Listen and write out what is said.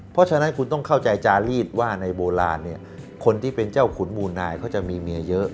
เพราะฉะนั้นคุณต้องเข้าใจจารีดว่าในโบราณเนี่ยคนที่เป็นเจ้าขุนมูลนายเขาจะมีเมียเยอะ